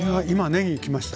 ねぎきました？